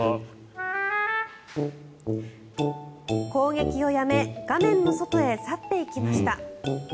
攻撃をやめ画面の外へ去っていきました。